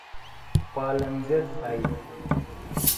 پالنگ زید بھئی۔